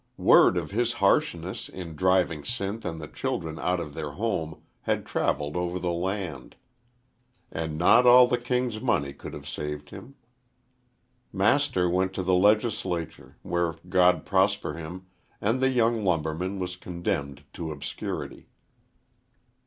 Word of his harshness in driving Sinth and the children out of their home had travelled over the land, and not all the king's money could have saved him. Master went to the Legislature where God prosper him! and the young lumberman was condemned to obscurity.